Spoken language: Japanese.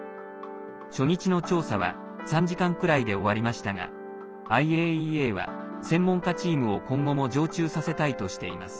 初日の調査は３時間くらいで終わりましたがＩＡＥＡは、専門家チームを今後も常駐させたいとしています。